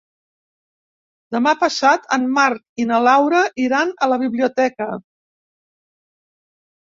Demà passat en Marc i na Laura iran a la biblioteca.